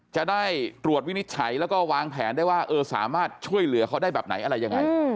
จะได้ตรวจวินิจฉัยแล้วก็วางแผนได้ว่าสามารถช่วยเหลือเขาได้แบบไหนอะไรยังไง